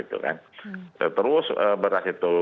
terus beras itu